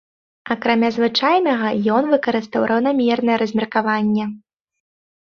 Акрамя звычайнага, ён выкарыстаў раўнамернае размеркаванне.